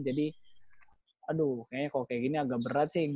jadi aduh kayaknya kalau kayak gini agak berat sih